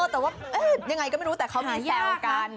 แต่ว่ายังไงก็ไม่รู้แต่เขามีแซวกัน